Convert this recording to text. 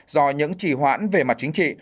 do những trì hoãn về mặt chính trị